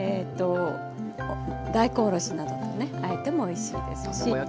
大根おろしなどとねあえてもおいしいですし。